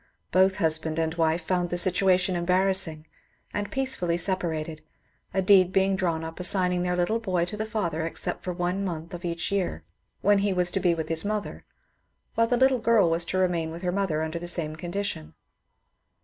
Both husband and wife found the situation embarrassing and peacefully sep arated, a deed being drawn up assigning their little boy to the father except for one month of each year, when he was to be with his mother, while the little girl was to remain with her mother under the same condition.